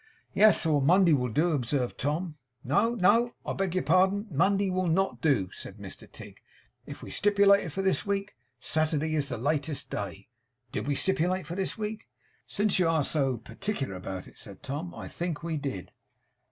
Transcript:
'Yes; or Monday will do,' observed Tom. 'No, no, I beg your pardon. Monday will NOT do,' said Mr Tigg. 'If we stipulated for this week, Saturday is the latest day. Did we stipulate for this week?' 'Since you are so particular about it,' said Tom, 'I think we did.